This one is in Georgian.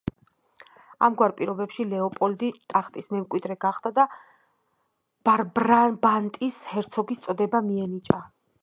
ამგვარ პირობებში, ლეოპოლდი ტახტის მემკვიდრე გახდა და ბრაბანტის ჰერცოგის წოდება მიენიჭა.